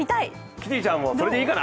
キティちゃんもそれでいいかな？